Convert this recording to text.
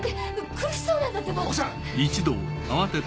苦しそうなんだってば！